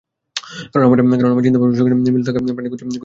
কারণ আমার চিন্তাভাবনার সঙ্গে মিল থাকা প্রার্থী খুঁজে পেতে বেগ পেতে হচ্ছে।